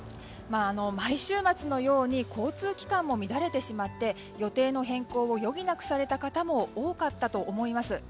毎週末のように交通機関も乱れてしまって予定の変更を余儀なくされた方も多かったと思います。